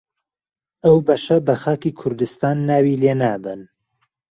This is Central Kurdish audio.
ئەو بەشە بە خاکی کوردستان ناوی لێنابەن